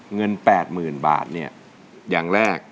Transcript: เงิน๘๐๐๐บาทเนี่ยอย่างแรก